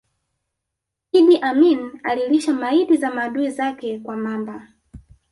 Idi Amin alilisha maiti za maadui zake kwa mamba